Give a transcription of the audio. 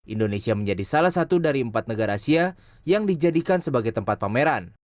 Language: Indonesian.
indonesia menjadi salah satu dari empat negara asia yang dijadikan sebagai tempat pameran